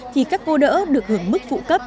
thì các cô đỡ được hưởng mức phụ cấp